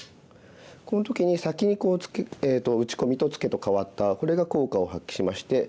この時に先に打ち込みとツケと換わったこれが効果を発揮しまして。